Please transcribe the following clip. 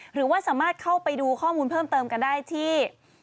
หรือว่าสามารถเข้าไปดูข้อมูลเพิ่มเติมกันได้ที่